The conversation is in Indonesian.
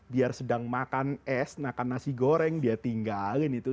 biar sedang makan es makan nasi goreng dia tinggalin itu